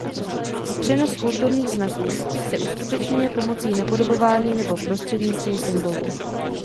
Přenos kulturních znaků se uskutečňuje pomocí napodobování nebo prostřednictvím symbolů.